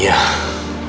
bapak juga bisa berusaha